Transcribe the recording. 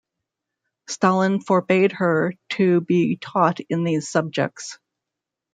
Stalin forbade her to be taught in these subjects.